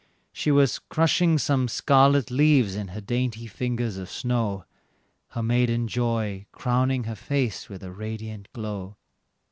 She was crushing some scarlet leaves in her dainty fingers of snow, Her maiden joy crowning her face with a radiant glow.